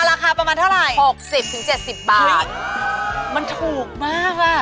ราคาประมาณเท่าไหร่๖๐๗๐บาทมันถูกมากอ่ะ